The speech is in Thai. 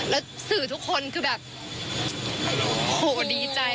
แล้วสื่อทุกคนคือแบบโหดีใจ